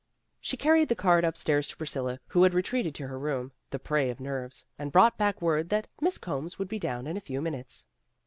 She carried the card upstairs to Priscilla who had retreated to her room, the prey of nerves, and brought back word that Miss Combs would be down in a few minutes.